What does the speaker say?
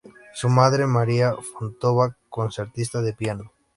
Su madre María Fontova concertista de piano.